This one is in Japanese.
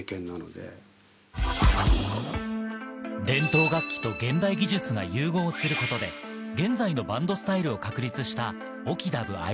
伝統楽器と現代技術が融合することで、現代のバンドスタイルを確立したＯＫＩＤＵＢＡＩＮＵＢＡＮＤ。